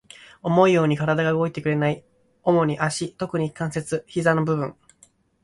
思うように体が動いてくれない。主に足、特に関節、膝の部分。